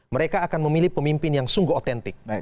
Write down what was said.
mereka akan memilih pemimpin yang sungguh otentik